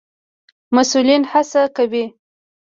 مسئولين هڅه کوي